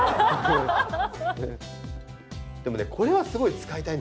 でもねこれはすごい使いたいんだよね。